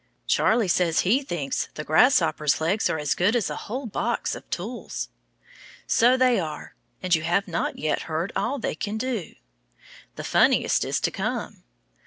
Charlie says he thinks the grasshopper's legs are as good as a whole box of tools. So they are, and you have not yet heard all they can do. The funniest is to come. Mr.